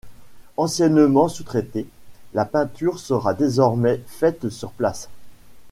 Anciennement sous-traitée, la peinture sera désormais faite sur place.